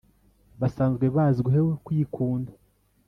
basanzwe bazwiho kwikunda